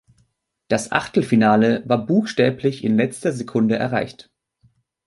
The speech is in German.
Das Achtelfinale war buchstäblich in letzter Sekunde erreicht.